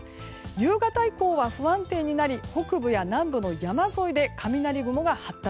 夕方以降は不安定になり北部や南部の山沿いで雷雲が発達。